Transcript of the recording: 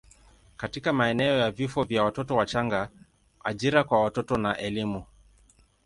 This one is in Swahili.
katika maeneo ya vifo vya watoto wachanga, ajira kwa watoto na elimu.